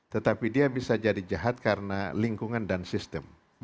tetapi dia bisa jadi jahat karena lingkungan dan sistem